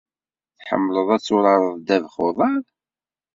Tḥemmleḍ ad turareḍ ddabex n uḍar?